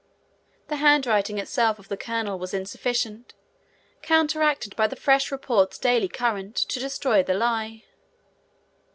The handwriting itself of their colonel was insufficient, counteracted by the fresh reports daily current, to destroy the lie.